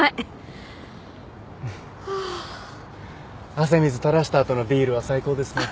汗水垂らした後のビールは最高ですね。